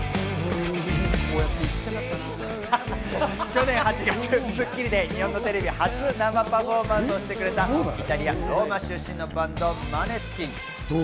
去年８月『スッキリ』で日本のテレビ初生パフォーマンスしてくれた、イタリア・ローマ出身のバンド、マネスキン。